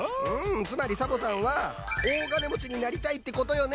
つまりサボさんは大金もちになりたいってことよね？